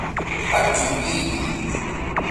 不絕於耳